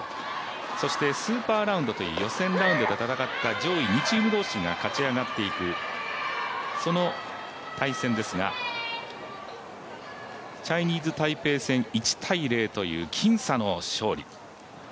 そして、スーパーラウンドという予選ラウンドで戦った上位２チーム同士が勝ち上がっていく対戦ですがチャイニーズ・タイペイ戦１−０という、僅差の勝利。